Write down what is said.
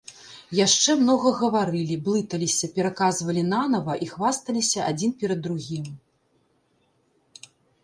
Яшчэ многа гаварылі, блыталіся, пераказвалі нанава і хвасталіся адзін перад другім.